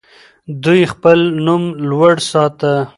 دوی خپل نوم لوړ ساته.